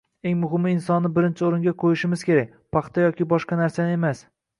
Eng muhimi, insonni birinchi o‘ringa qo‘yishimiz kerak, paxta yoki boshqa narsani emas.